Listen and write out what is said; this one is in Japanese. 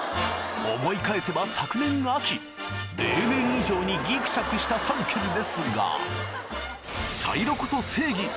思い返せば昨年秋例年以上にギクシャクした３県ですが茶色こそ正義！